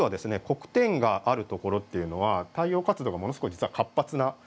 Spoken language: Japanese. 黒点があるところっていうのは太陽活動がものすごい実は活発なところなんですね。